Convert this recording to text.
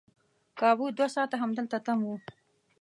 کابو دوه ساعته همدلته تم وو.